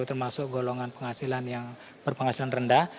termasuk golongan penghasilan yang berpenghasilan rendah